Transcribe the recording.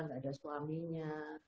gak ada suaminya